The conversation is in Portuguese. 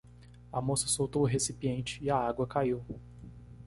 A moça soltou o recipiente? e a água caiu.